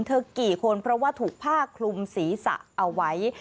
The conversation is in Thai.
กี่คนเพราะว่าถูกผ้าคลุมศีรษะเอาไว้